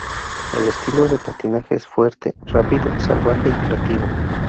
El estilo de patinaje es fuerte, rápido, salvaje y creativo.